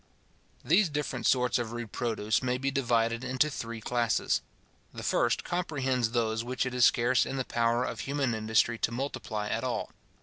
_ These different sorts of rude produce may be divided into three classes. The first comprehends those which it is scarce in the power of human industry to multiply at all.